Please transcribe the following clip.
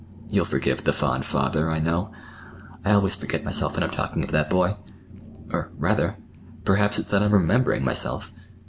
You'll forgive 'the fond father,' I know. I always forget myself when I'm talking of that boy—or, rather perhaps it's that I'm remembering myself.